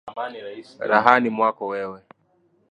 rahani mwako wewe